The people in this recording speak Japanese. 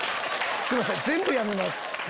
すいません全部やめます。